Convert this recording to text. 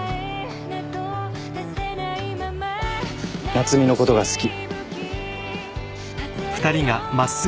夏海のことが好き。